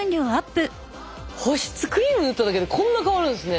保湿クリーム塗っただけでこんな変わるんですね。